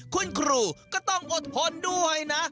คุณครูก็ต้องอดทนด้วยนะ